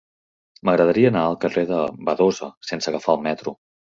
M'agradaria anar al carrer de Badosa sense agafar el metro.